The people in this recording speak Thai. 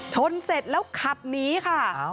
ชนเสร็จแล้วขับหนีค่ะ